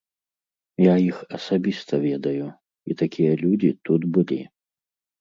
Я іх асабіста ведаю, і такія людзі тут былі.